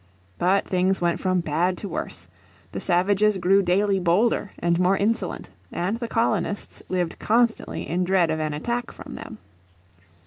But things went from bad to worse; the savages grew daily bolder and more insolent, and the colonists lived constantly in dread of an attack from them.